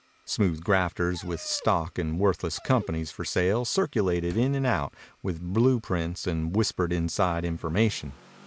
Smooth grafters with stock in worthless companies for sale circulated in and out with blue prints and whispered inside information.